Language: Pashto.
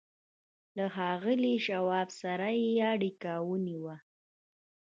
له ښاغلي شواب سره يې اړيکه ونيوه.